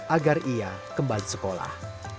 agar ia kembali sekolah